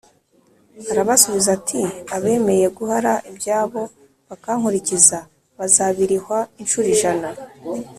Arabasubiza ati abemeye guhara ibyabo bakankurikira bazabirihwa incuro ijana